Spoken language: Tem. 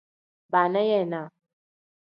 Baana yeenaa.